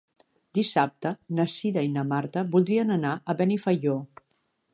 Dissabte na Cira i na Marta voldrien anar a Benifaió.